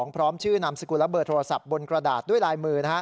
พร้อมชื่อนามสกุลและเบอร์โทรศัพท์บนกระดาษด้วยลายมือ